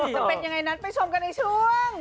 จะเป็นยังไงนั้นไปชมกันในช่วง